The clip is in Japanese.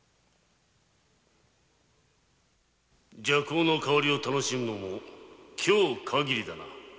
・麝香の香りを楽しむのも今日かぎりだな。